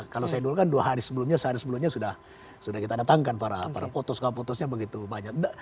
kalau saya dulu kan dua hari sebelumnya sehari sebelumnya sudah kita datangkan para fotos kaputusnya begitu banyak